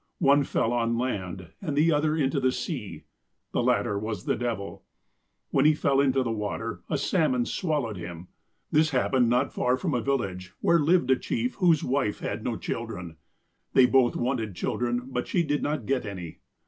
One fell on land, and the other into the sea. The latter was the devil. " When he fell into the water, a salmon swallowed him. This happened not far from a village, where lived a chief, whose wife had no children. They both wanted children, but she did not get any.